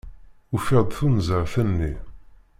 Ufiɣ-d tunẓart-nni.